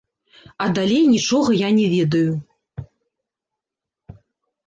А далей нічога я не ведаю.